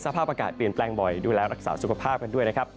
สภาพอากาศเปลี่ยนแปลงบ่อยดูแลรักษาสุขภาพกันด้วยนะครับ